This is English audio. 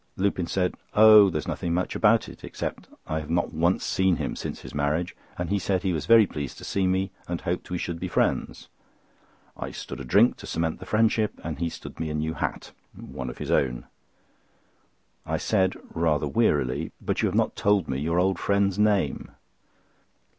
Lupin said: "Oh! there's nothing much about it, except I have not once seen him since his marriage, and he said he was very pleased to see me, and hoped we should be friends. I stood a drink to cement the friendship, and he stood me a new hat—one of his own." I said rather wearily: "But you have not told me your old friend's name?"